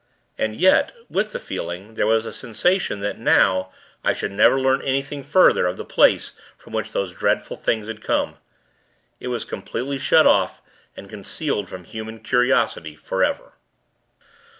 And yet, with the feeling, there was a sensation that, now, I should never learn anything further, of the place from which those dreadful Things had come. It was completely shut off and concealed from human curiosity forever.